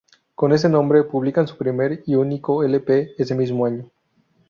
Con ese nombre publican su primer y único lp ese mismo año.